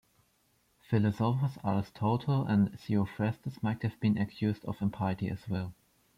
Philosophers Aristotle and Theophrastus might have been accused of impiety as well.